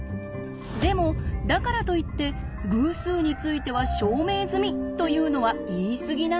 でもだからといって「偶数については証明済み！」というのは言い過ぎなんです。